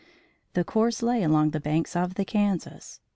The course lay along the banks of the Kansas.